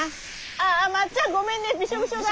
ああまっちゃんごめんねビショビショだ。